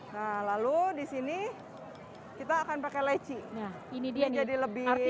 nah lalu di sini kita akan pakai leci ini dia jadi lebih